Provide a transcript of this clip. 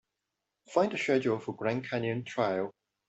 Find the schedule for Grand Canyon Trail.